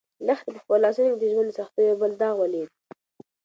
لښتې په خپلو لاسو کې د ژوند د سختیو یو بل داغ ولید.